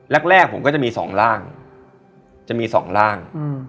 แรกผมก็จะมี๒ล่าง